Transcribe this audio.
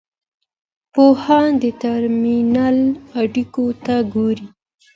پوهان د ترمینل اړیکو ته ګوري.